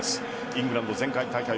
イングランド前回大会